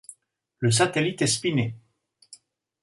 Le satellite est spinné.